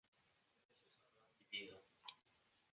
ellos habrán vivido